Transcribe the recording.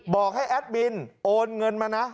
บอกให้แอดมินโอนเงินมานะ